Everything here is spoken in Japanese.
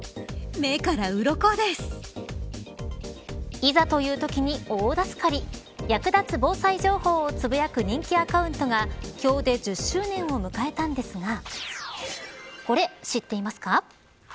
いざというときに大助かり役立つ防災情報をつぶやく人気アカウントが今日で１０周年を迎えたんですがこれ知っていますか。